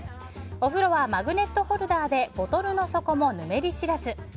お風呂はマグネットホルダーでボトルの底も、ぬめり知らず。